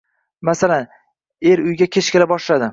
Masalan, er uyga kech kela boshladi